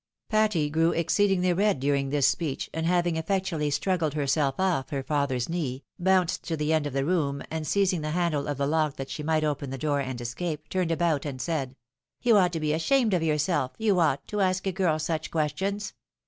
Patty grew exceedingly red during this speech, and having effectually struggled herself off her father's knee, bounced to the end of the room, and seizing the handle of the lock that she might open the door and escape, turned about and said —" You oftght to be ashamed of yourself, you ought, to ask a girl such questions.